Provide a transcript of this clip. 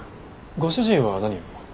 ご主人は何を？